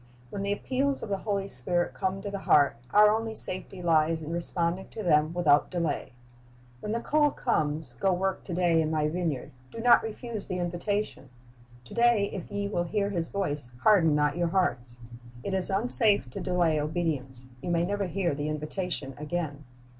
When the appeals of the Holy Spirit come to the heart, our only safety lies in responding to them without delay. When the call comes, "Go work to day in My vineyard," do not refuse the invitation. "To day if ye will hear His voice, harden not your hearts."' It is unsafe to delay obedience. You may never hear the invitation again.